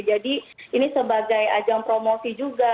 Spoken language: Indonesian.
jadi ini sebagai ajang promosi juga